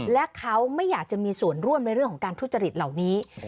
และเขาไม่อยากจะมีส่วนร่วมในเรื่องของการทุจริตเหล่านี้